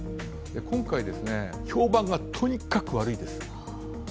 今回、評判がとにかく悪いです。